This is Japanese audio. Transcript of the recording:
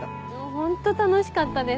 ホント楽しかったです。